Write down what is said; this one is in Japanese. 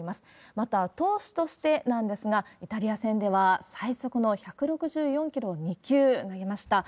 また、投手としてなんですが、イタリア戦では最速の１６４キロを２球投げました。